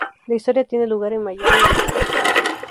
La historia tiene lugar en Miami, Niza y Estambul.